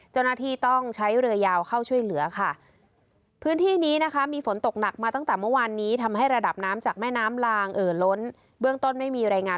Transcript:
เจ้าหน้าที่ต้องใช้เรือยาวเข้าช่วยเหลือค่ะ